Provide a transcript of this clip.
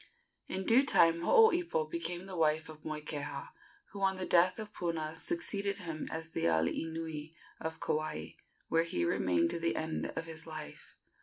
In due time Hooipo became the wife of Moikeha, who, on the death of Puna, succeeded him as the alii nui of Kauai, where he remained to the end of his life.